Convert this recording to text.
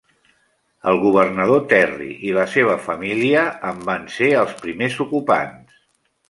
El governador Terry i la seva família en van ser els primers ocupants.